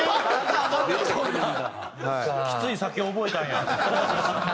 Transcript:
きつい酒覚えたんや。